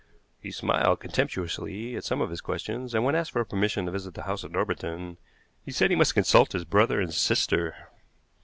He smiled contemptuously at some of his questions, and, when asked for permission to visit the house at Norbiton, he said he must consult his brother and sister.